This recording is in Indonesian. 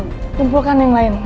ini bukan yang lain